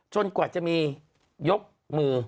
กว่าจะมียกมือ